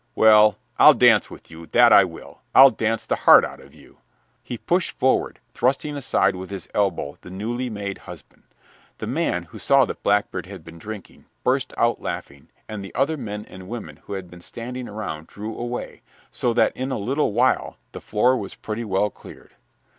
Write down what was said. "Well, I'll dance with you, that I will. I'll dance the heart out of you." He pushed forward, thrusting aside with his elbow the newly made husband. The man, who saw that Blackbeard had been drinking, burst out laughing, and the other men and women who had been standing around drew away, so that in a little while the floor was pretty well cleared.